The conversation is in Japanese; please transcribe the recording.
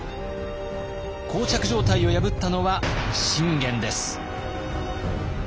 膠着状態を破ったのは信玄です。